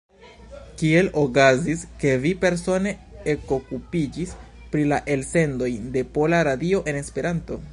Kiel okazis ke vi persone ekokupiĝis pri la elsendoj de Pola Radio en Esperanto?